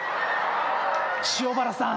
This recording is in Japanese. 塩原さん！